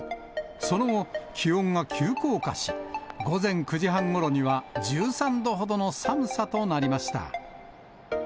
その後、気温が急降下し、午前９時半ごろには１３度ほどの寒さとなりました。